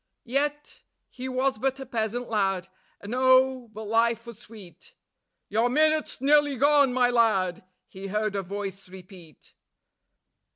Yet ... he was but a peasant lad, and oh! but life was sweet. ... "Your minute's nearly gone, my lad," he heard a voice repeat.